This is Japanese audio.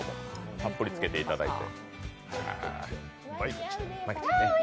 たっぷりつけていただいて。